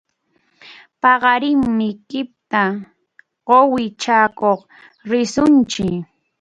Paqarinmi kʼita quwi chakuq risunchik.